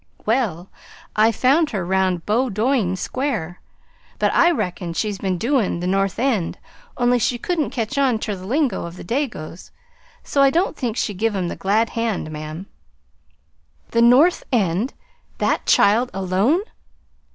"Well, I found her 'round Bowdoin Square, but I reckon she'd been doin' the North End, only she couldn't catch on ter the lingo of the Dagos, so I don't think she give 'em the glad hand, ma'am." "The North End that child alone!